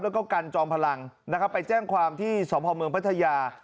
แล้วก็กันจอมพลังนะครับไปแจ้งความที่สพเมืองพัทยา